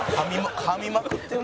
「かみまくってるな」